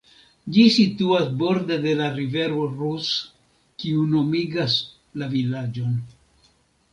Ĝi situas borde de la rivero Rus, kiu nomigas la vilaĝon.